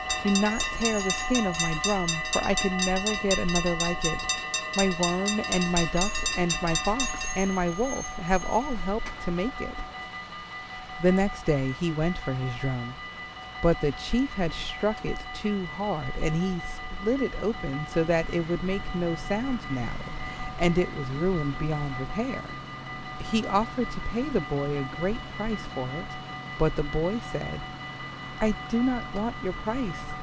Do not tear the skin of my drum, for I can never get another like it. My Worm and my Duck and my Fox and my Wolf have all helped to make it." [Illustration: THAT NIGHT AN OLD WOLF CAME THROUGH THE FOREST IN SEARCH OF FOOD] The next day he went for his drum. But the Chief had struck it too hard and had split it open so that it would now make no sound and it was ruined beyond repair. He offered to pay the boy a great price for it, but the boy said, "I do not want your price.